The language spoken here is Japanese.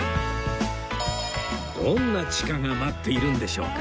どんな地下が待っているんでしょうか？